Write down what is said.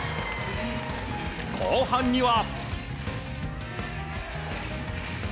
後半には。